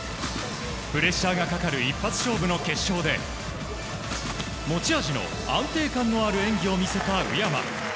プレッシャーがかかる一発勝負の決勝で持ち味の安定感のある演技を見せた宇山。